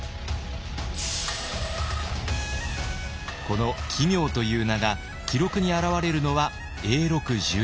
この「奇妙」という名が記録に表れるのは永禄１２年。